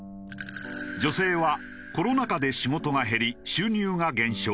女性はコロナ禍で仕事が減り収入が減少。